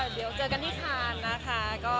เดี๋ยวเจอกันที่คานนะคะ